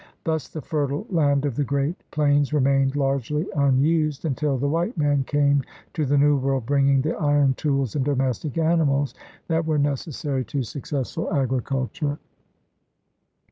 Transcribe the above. Thus the fertile land of the great plains remained largely unused until the white man came to the New World bringing the iron tools and domestic animals that were necessary to successful agriculture.